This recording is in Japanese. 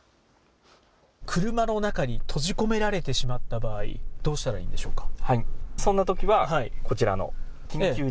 車の中に閉じ込められてしまった場合、どうしたらいいんでしょうか。